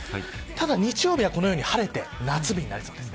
ただ日曜日はこのように晴れて夏日になりそうです。